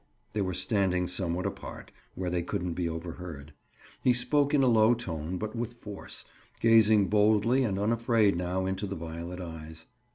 They were standing somewhat apart, where they couldn't be overheard. He spoke in a low tone but with force, gazing boldly and unafraid now into the violet eyes.